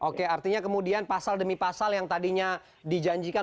oke artinya kemudian pasal demi pasal yang tadinya dijanjikan